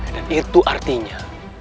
dan itu artinya